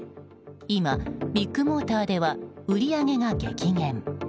今、ビッグモーターでは売り上げが激減。